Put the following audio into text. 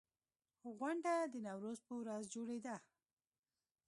غونډه د نوروز په ورځ جوړېده.